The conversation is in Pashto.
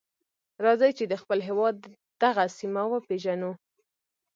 راځئ چې د خپل هېواد دغه سیمه وپیژنو.